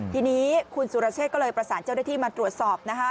ทีนี้คุณสุรเชษก็เลยประสานเจ้าหน้าที่มาตรวจสอบนะคะ